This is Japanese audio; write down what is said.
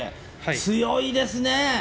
強いですね。